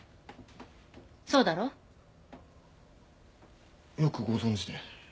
そうだろ？よくご存じで。